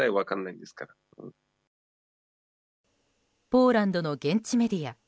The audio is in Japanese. ポーランドの現地メディア。